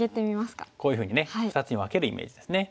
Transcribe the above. こういうふうにね２つに分けるイメージですね。